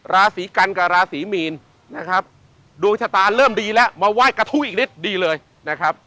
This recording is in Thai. ราศีกันกับราศีมีนนะครับดวงชะตาเริ่มดีแล้วมาไหว้กระทู้อีกนิดดีเลยนะครับ